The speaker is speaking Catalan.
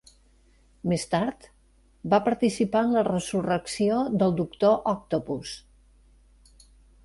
Més tard, va participar en la resurrecció del doctor Octopus.